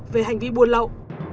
về hành vi buôn lậu